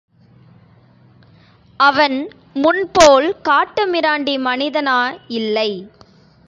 அவன் முன்போல் காட்டு மிராண்டி மனிதனாயில்லை.